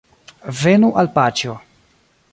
Venu al paĉjo